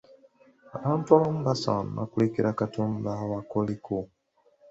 Abantu abamu basaana kulekera Katonda abakoleko.